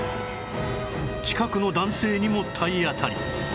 近くの男性にも体当たり